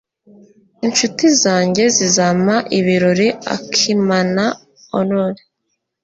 Inshuti zanjye zizampa ibirori Akimanaorrow.